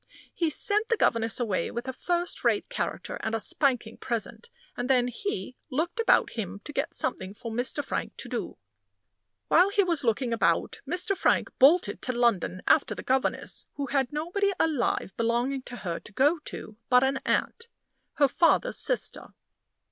He sent the governess away with a first rate character and a spanking present, and then he, looked about him to get something for Mr. Frank to do. While he was looking about, Mr. Frank bolted to London after the governess, who had nobody alive belonging to her to go to but an aunt her father's sister.